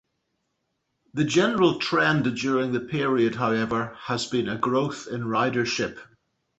The general trend during the period, however, has been a growth in ridership.